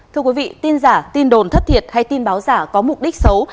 thưa quý vị tin giả tin đồn thất thiệt hay tin báo giả có mục đích xấu